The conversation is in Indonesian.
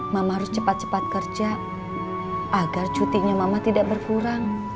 mama harus cepat cepat kerja agar cutinya mama tidak berkurang